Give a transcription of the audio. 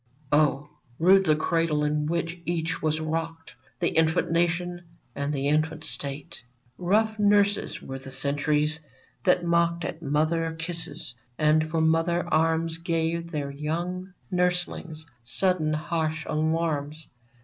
Oh ! rude the cradle in which each was rocked, The infant Nation, and the infant State ! Rough nurses were the Centuries, that mocked At mother kisses, and for mother arms Gave their young nurslings sudden harsh alarms.